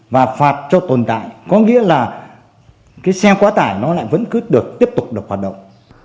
và phạt cho tồn tại có nghĩa là cái xe quá tải nó lại vẫn cứ được tiếp tục được hoạt động